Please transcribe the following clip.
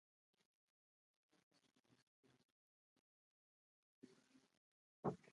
Siapa menghina firman akan menanggung kehancuran